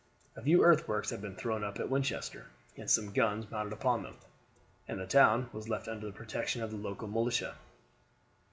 A few earthworks had been thrown up at Winchester, and some guns mounted upon them, and the town was left under the protection of the local militia.